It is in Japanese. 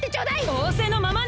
おおせのままに！